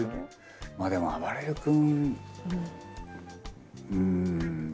まあでもあばれる君うん。